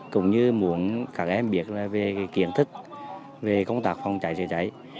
cũng như muốn các em biết về kiến thức về công tác phòng cháy chữa cháy